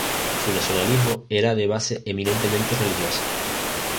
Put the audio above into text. Su nacionalismo era de base eminentemente religiosa.